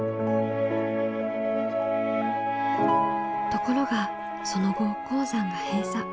ところがその後鉱山が閉鎖。